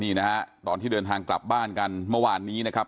นี่นะฮะตอนที่เดินทางกลับบ้านกันเมื่อวานนี้นะครับ